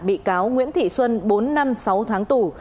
bị cáo nguyễn thị xuân bốn năm sáu tháng tù